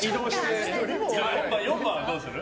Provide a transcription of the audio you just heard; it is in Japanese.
４番はどうする？